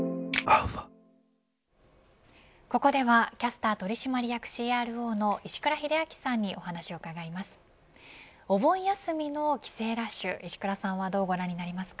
ここではキャスター取締役ＣＲＯの石倉秀明さんにお話を伺います。